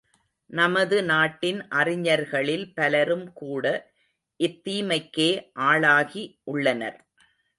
நமது நாட்டின் அறிஞர்களில் பலரும் கூட இத்தீமைக்கே ஆளாகி உள்ளனர்.